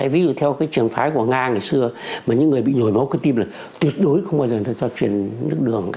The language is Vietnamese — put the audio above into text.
ví dụ theo cái trường phái của nga ngày xưa mà những người bị nhồi máu cái tim là tuyệt đối không bao giờ cho chuyển nước đường cả